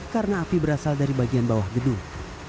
karena api berasal dari bagian bawah gedung